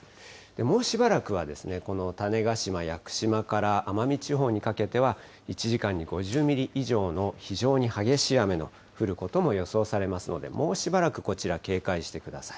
もうしばらくは、この種子島、屋久島から、奄美地方にかけては、１時間に５０ミリ以上の非常に激しい雨の降ることもありますので、もうしばらく、こちら警戒してください。